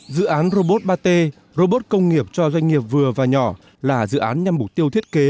dự án robot ba t robot công nghiệp cho doanh nghiệp vừa và nhỏ là dự án nhằm mục tiêu thiết kế